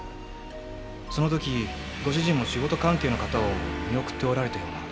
その時ご主人も仕事関係の方を見送っておられたようなので。